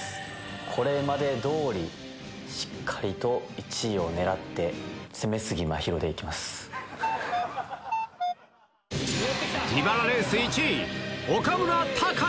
これまでどおり、しっかりと１位を狙って、自腹レース１位、岡村隆史。